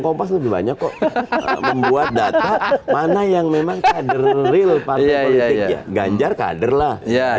kompas lebih banyak kok membuat data mana yang memang kader real partai politik ya ganjar kader lah ya